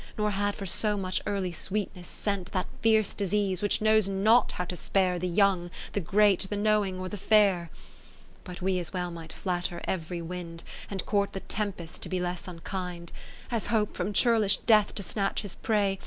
Nor had for so much early sweetness, sent * Sec Introduction. (582) 0;/ the Death of my Lord Rich That fierce disease, which knows not how to spare The young, the great, the knowing, or the fair. But we as well might flatter every wind, And court the tempests to be less unkind. As hope from churlish Death to snatch his prey.